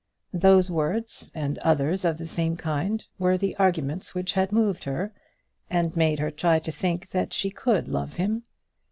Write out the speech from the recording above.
Those words and others of the same kind were the arguments which had moved her, and made her try to think that she could love him.